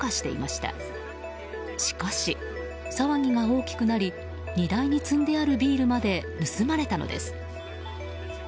しかし、騒ぎが大きくなり荷台に積んであるビールまで盗まれたのです。